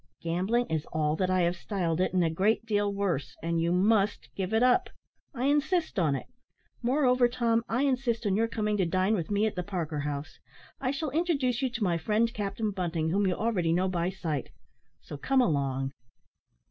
Gambling is all that I have styled it, and a great deal worse; and you must give it up I insist on it. Moreover, Tom, I insist on your coming to dine with me at the Parker House. I shall introduce you to my friend Captain Bunting, whom you already know by sight so come along."